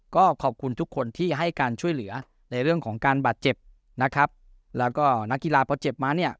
ก็ขอบคุณทุกคนที่ให้การช่วยเหลือในเรื่องของการบาดเจ็บนะครับแล้วก็นักกีฬาพอเจ็บมาเนี่ย